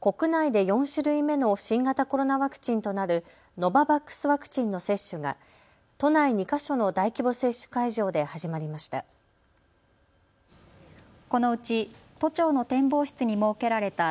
国内で４種類目の新型コロナワクチンとなるノババックスワクチンの接種が都内２か所の大規模接種会場で始まりました。